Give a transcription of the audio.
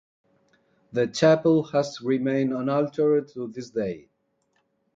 The chapel has remained unaltered to this day.